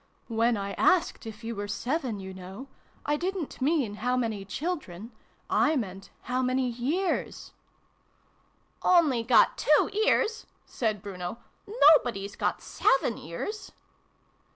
" When I asked if you were seven, you know, I didn't mean ' how many children ?' I meant ' how many years '" Only got two ears," said Bruno. " Nobody's got seven ears."